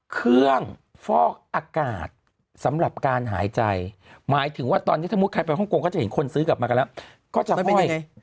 เครื่องฟ้อกอากาศสำหรับการหายใจหมายถึงว่าตอนนี้ถ้าใครเริ่มไปห้องกงก็จะเห็นคนซื้อกลับมาก็ห่อย